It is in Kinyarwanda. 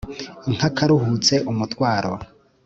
nk' akaruhutse umutwaro.